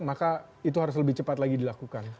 maka itu harus lebih cepat lagi dilakukan